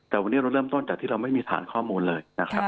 แต่วันนี้เราเริ่มต้นจากที่เราไม่มีฐานข้อมูลเลยนะครับ